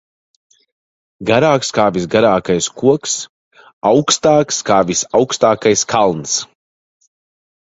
Garāks kā visgarākais koks, augstāks kā visaugstākais kalns.